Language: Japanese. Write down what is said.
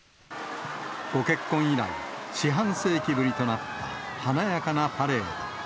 ご結婚以来、四半世紀ぶりとなった華やかなパレード。